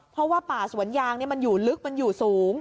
เพราะว่าป่าสวนยางมันอยู่ลึกมันอยู่สูง